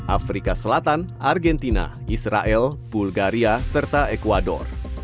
afrika selatan argentina israel bulgaria serta ecuador